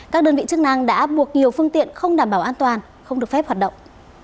các đơn vị chức năng đã buộc nhiều phương tiện không đảm bảo an toàn không được phép hoạt động